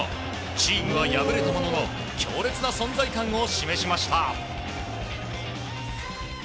チームは敗れたものの強烈な存在感を示しました。